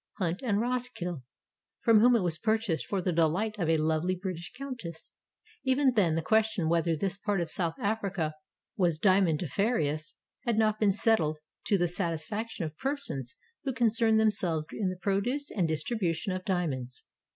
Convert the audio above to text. Hunt and Rosskill from whom it was purchased for the delight of a lovely British countess. Even then the question whether this part of South Africa was diamondiferous had not been settled to the 438 THE DIAMOND FIELDS OF SOUTH AFRICA satisfaction of persons who concern themselves in the produce and distribution of diamonds.